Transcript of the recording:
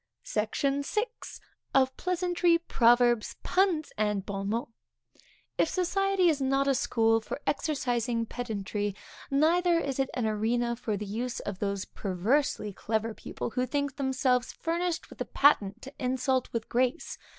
SECTION VI. Of Pleasantry, Proverbs, Puns, and Bon Mots. If society is not a school for exercising pedantry, neither is it an arena for the use of those perversely clever people, who think themselves furnished with a patent to insult with grace.